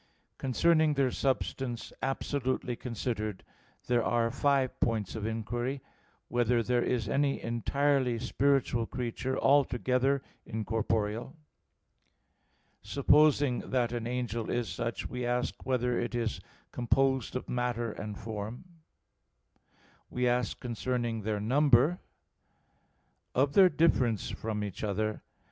Concerning their substance absolutely considered, there are five points of inquiry: (1) Whether there is any entirely spiritual creature, altogether incorporeal? (2) Supposing that an angel is such, we ask whether it is composed of matter and form? (3) We ask concerning their number. (4) Of their difference from each other.